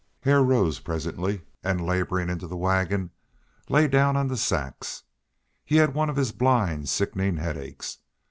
Hare rose presently and, laboring into the wagon, lay down on the sacks. He had one of his blind, sickening headaches.